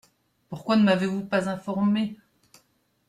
Pourquoi ne m’avez-vous pas informé ?